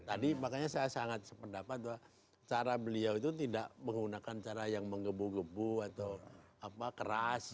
tadi makanya saya sangat sependapat bahwa cara beliau itu tidak menggunakan cara yang mengebu gebu atau keras